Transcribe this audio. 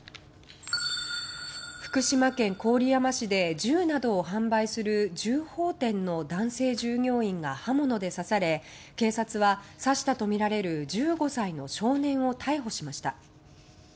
福島県郡山市で銃などを販売する銃砲店の男性従業員が刃物で刺され警察は刺したとみられる１５歳の少年を逮捕しました。